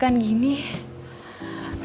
kayaknya arcwendeng kan